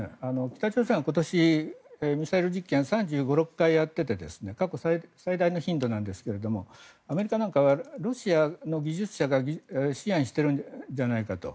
北朝鮮は今年ミサイル実験３５３６回やっていて過去最大の頻度なんですがアメリカなんかはロシアの技術者が支援してるんじゃないかと。